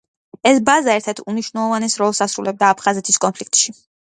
ეს ბაზა ერთ-ერთ უმნიშვნელოვანეს როლს ასრულებდა აფხაზეთის კონფლიქტში.